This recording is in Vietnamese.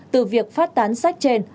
từ việc phát tán sách trên